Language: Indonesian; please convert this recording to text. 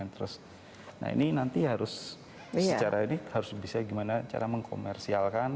terus nah ini nanti harus secara ini harus bisa gimana cara mengkomersialkan